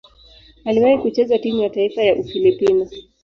Aliwahi kucheza timu ya taifa ya Ufilipino.